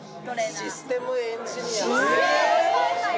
システムエンジニア。